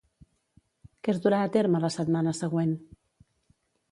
Què es durà a terme la setmana següent?